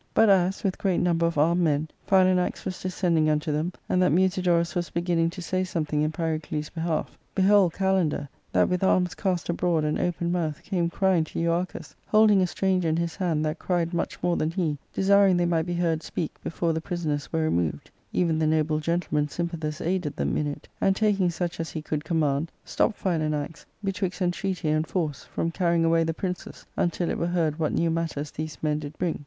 But as, with great number of armed men, Philanax was descend ing unto them, and that Musidorus was beginning to say something in Pyrocles' behalf, behold Kalander, that with arms cast abroad and open moutli came crying to Euar chus, holding a stranger in his hand that cried much more than he, desiring they might be heard speak before the prisoners were removed ; even the noble gentleman Sym pathus aided them in it, and, taking such as he could com mand, stopped Philanax, betwixt entreaty and force, from carrying away the princes, until it were heard what new matters these men did bring.